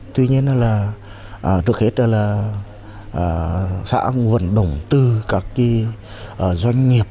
tuy nhiên là trước hết là xã vẫn đầu tư các doanh nghiệp